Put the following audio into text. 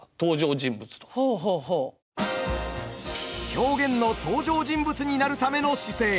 狂言の登場人物になるための姿勢